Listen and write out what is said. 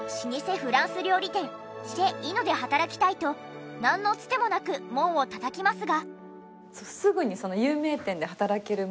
フランス料理店ＣｈｅｚＩｎｎｏで働きたいとなんのツテもなく門をたたきますが。